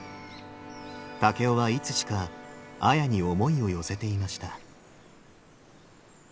竹雄はいつしか綾に思いを寄せていました。